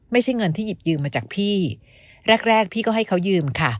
ไม่ใช่เงินที่หยิบยืมมาจากพี่แรกแรกพี่ก็ให้เขายืมค่ะ